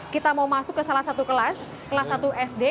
kita mau masuk ke salah satu kelas kelas satu sd